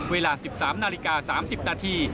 เวลา๑๓นาฬิกา๓๐นาที